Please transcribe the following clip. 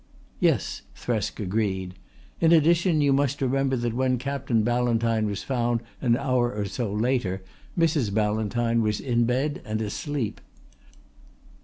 "Yes," Thresk agreed. "In addition you must remember that when Captain Ballantyne was found an hour or so later Mrs. Ballantyne was in bed and asleep."